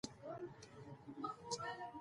په افغانستان کې هوا شتون لري.